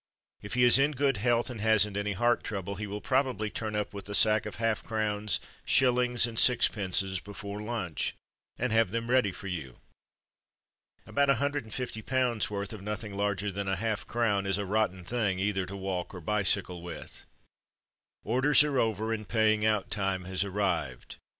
If he is in good health and hasn't any heart trouble he will probably turn up with the sack of half crowns, shillings, and sixpences before lunch, and have them ready for you. About a hundred and fifty pounds' worth of nothing larger than a half crown is a rotten thing either to walk or bicycle with. Orders are over, and paying out time has arrived.